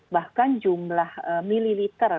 bahkan jumlah mililiter